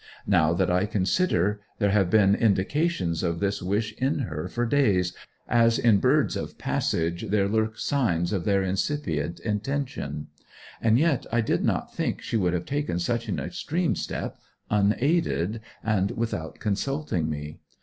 Now that I consider, there have been indications of this wish in her for days, as in birds of passage there lurk signs of their incipient intention; and yet I did not think she would have taken such an extreme step, unaided, and without consulting me.